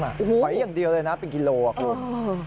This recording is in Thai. ถอยอย่างเดียวเลยนะเป็นกิโลอ่ะคุณ